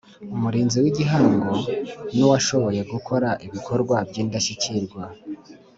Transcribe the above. Iumurinzi wigihango nuwashoboye gukora ibikorwa byindashyikirwa